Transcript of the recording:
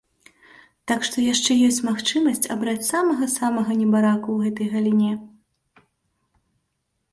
Так што яшчэ ёсць магчымасць абраць самага-самага небараку ў гэтай галіне.